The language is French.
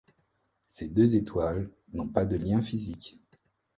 Ces deux étoiles n'ont pas de liens physiques.